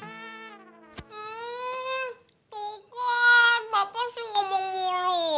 hmm tuh kan bapak sih ngomong mulu